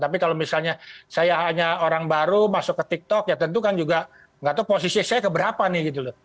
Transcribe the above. tapi kalau misalnya saya hanya orang baru masuk ke tiktok ya tentu kan juga nggak tahu posisi saya keberapa nih gitu loh